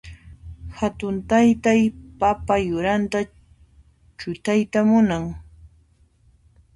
Hatun taytay papa yuranta chutayta munan.